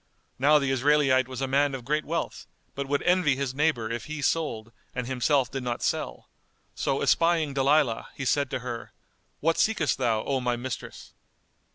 Now the Israelite was a man of great wealth, but would envy his neighbour if he sold and himself did not sell; so espying Dalilah, he said to her, "What seekest thou, O my mistress?"